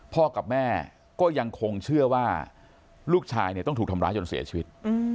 กับแม่ก็ยังคงเชื่อว่าลูกชายเนี่ยต้องถูกทำร้ายจนเสียชีวิต